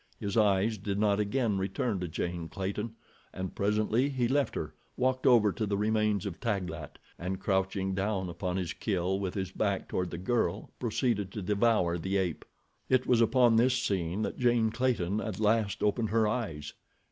His eyes did not again return to Jane Clayton, and presently he left her, walked over to the remains of Taglat, and crouching down upon his kill with his back toward the girl, proceeded to devour the ape. It was upon this scene that Jane Clayton at last opened her eyes.